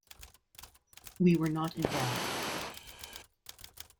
We were not involved.